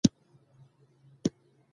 خو تیږه تیږه ماتوي